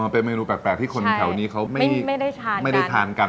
เป็นเมนูแปลกที่คนแถวนี้เขาไม่ได้ทานกัน